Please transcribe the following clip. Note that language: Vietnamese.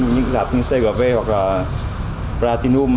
những dạp như cgv hoặc là platinum